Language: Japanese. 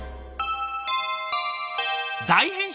大変身？